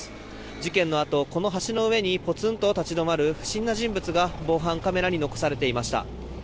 事件のあと、この橋の上にぽつんと立ち止まる不審な人物が防犯カメラに残されていました。